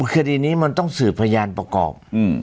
คดีนี้มันต้องสืบพยานประกอบ